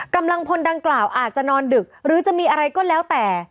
กำลังพลดังกล่าวอาจจะนอนดึกหรือจะมีอะไรก็แล้วแต่